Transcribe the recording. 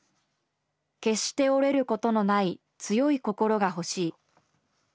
「決して折れることのない強い心が欲しい。